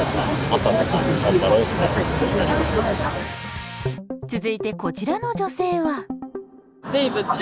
朝とか続いてこちらの女性は。